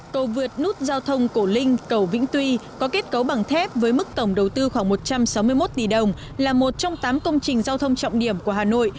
cầu vượt nút giao thông cổ linh cầu vĩnh tuy có kết cấu bằng thép với mức tổng đầu tư khoảng một trăm sáu mươi một tỷ đồng là một trong tám công trình giao thông trọng điểm của hà nội